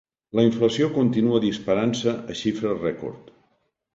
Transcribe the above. La inflació continua disparant-se a xifres rècord.